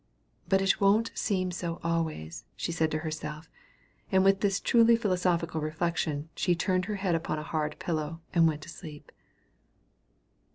"But it won't seem so always," said she to herself; and with this truly philosophical reflection, she turned her head upon a hard pillow, and went to sleep.